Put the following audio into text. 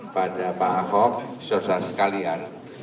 pada pak ahok sosial sekalian